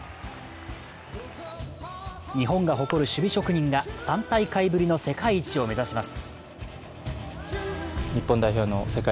日本が誇る守備職人が３大会ぶりの世界一を目指します。